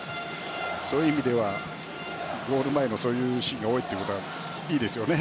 そういう意味ではゴール前のそういうシーンが多いということはいいですよね。